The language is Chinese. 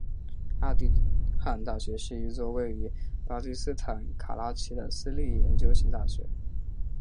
阿迦汗大学是一座位于巴基斯坦卡拉奇的私立研究型大学。